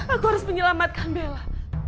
aku harus menyelamatkan bella